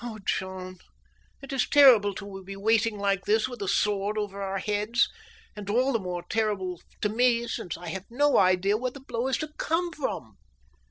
Oh, John, it is terrible to be waiting like this with a sword over our heads and all the more terrible to me since I have no idea where the blow is to come from."